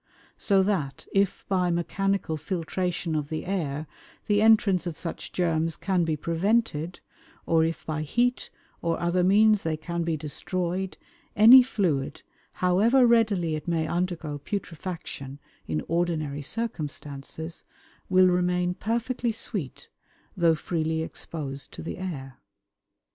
So that if by mechanical filtration of the air the entrance of such germs can be prevented, or if by heat or other means they can be destroyed, any fluid, however readily it may undergo putrefaction in ordinary circumstances, will remain perfectly sweet, though freely exposed to the air.